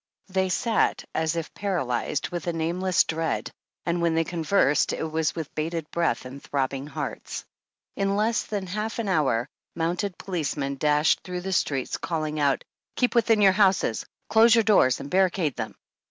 They sat as if paral yzed with a nameless dread, and when they con versed it was with bated breath and throbbing hearts. In less than half an hour, mounted policemen dashed through the streets calling out :" Keep within your houses ; close your doors and barricade them.